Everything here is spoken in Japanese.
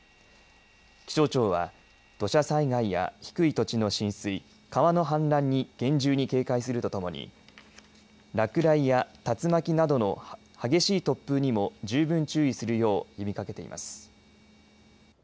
気象庁は土砂災害や低い土地の浸水川の氾濫に厳重に警戒するとともに落雷や竜巻などの激しい突風にも十分注意するよう呼びかけています。